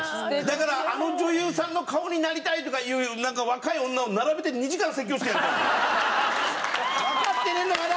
だからあの女優さんの顔になりたいとか言う若い女を並べてわかってねえんだまだ！